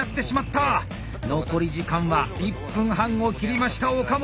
残り時間は１分半を切りました岡本。